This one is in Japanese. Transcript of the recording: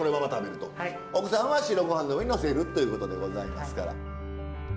奥さんは白御飯の上にのせるということでございますから。